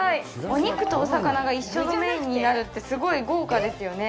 お肉とお魚が一緒のメインになるって、すごい豪華ですよね。